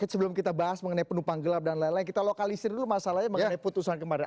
sebelum kita bahas mengenai penumpang gelap dan lain lain kita lokalisir dulu masalahnya mengenai putusan kemarin